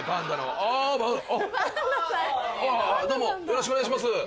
あぁどうもよろしくお願いします。